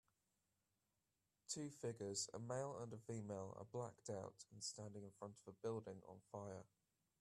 Two figures a male and a female are blacked out and standing in front of a building on fire